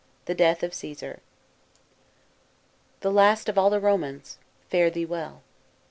THE DEATH OP "The last of all the Romans, fare thee well."